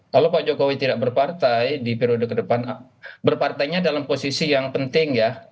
kalau pak jokowi tidak berpartai di periode ke depan berpartainya dalam posisi yang penting ya